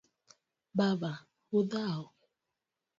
Baba: Udhao?